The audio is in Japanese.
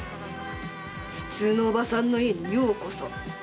普通のおばさんの家にようこそ。